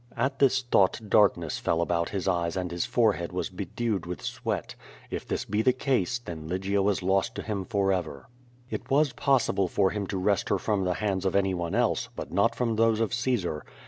At this thought darkness fell about his eyes and his fore* head was bedewed with sweat. If this be the case, then Lygia was lost to him forever. It was possible for him to wrest her from tlie hands of anyone else, but not from those of Caesar.